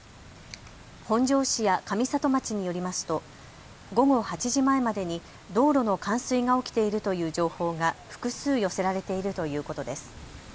本庄市や上里町によりますと午後８時前までに道路の冠水が起きているという情報が複数寄せられているということです。